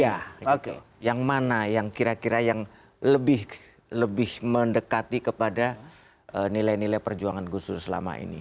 iya yang mana yang kira kira yang lebih mendekati kepada nilai nilai perjuangan gus dur selama ini